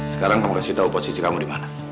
sekarang kamu kasih tahu posisi kamu di mana